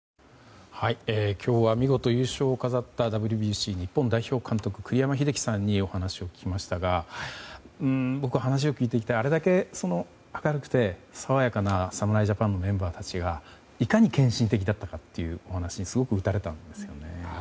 今日は、見事優勝を飾ったＷＢＣ日本代表監督栗山英樹さんにお話を聞きましたが僕、話を聞いていてあれだけ明るくて爽やかな侍ジャパンのメンバーたちがいかに献身的だったかというお話にすごく打たれましたね。